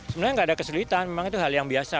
sebenarnya nggak ada kesulitan memang itu hal yang biasa